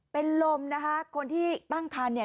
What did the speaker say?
เป็นลมนะคะคนที่ตั้งคันเนี่ย